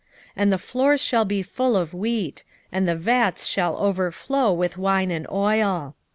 2:24 And the floors shall be full of wheat, and the vats shall overflow with wine and oil.